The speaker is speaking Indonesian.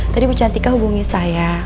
tadi bu cantika hubungi saya